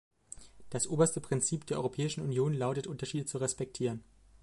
Das oberste Prinzip der Europäischen Union lautet, Unterschiede zu respektieren.